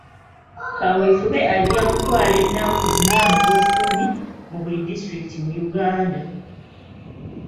Kaweefube ajja kutwala ennaku nnya mu gw'ekkumi mu buli disitulikiti mu Uganda.